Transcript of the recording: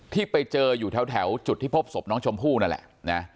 ที่ไปเจออยู่แถวจุดที่พบศพน้องชมพู่นั่นแหละนะ